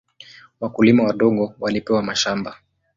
Wakulima wadogo walipewa mashamba.